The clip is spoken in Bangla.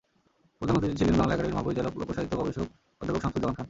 প্রধান অতিথি ছিলেন বাংলা একাডেমির মহাপরিচালক লোকসাহিত্য গবেষক অধ্যাপক শামসুজ্জামান খান।